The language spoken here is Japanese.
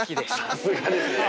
さすがですね。